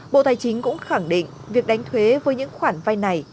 bộ tài chính cũng khẳng định việc đánh thuế với những khoản vay này